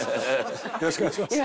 よろしくお願いします。